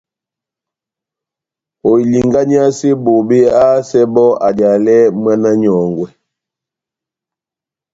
Ohilinganiyase bobé, ahásɛ bɔ́ adiyalɛ mwána nyɔ́ngwɛ.